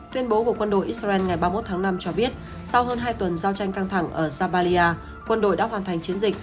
tuyên bố của quân đội israel ngày ba mươi một tháng năm cho biết sau hơn hai tuần giao tranh căng thẳng ở zabalia quân đội đã hoàn thành chiến dịch